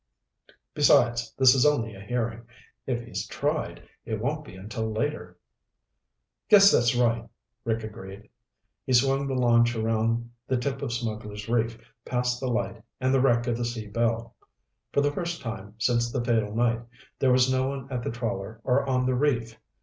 Besides, this is only a hearing. If he's tried, it won't be until later." "Guess that's right," Rick agreed. He swung the launch around the tip of Smugglers' Reef, past the light and the wreck of the Sea Belle. For the first time since the fatal night, there was no one at the trawler or on the reef.